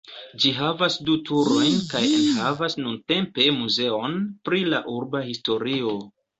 Ĝi havas du turojn kaj enhavas nuntempe muzeon pri la urba historio.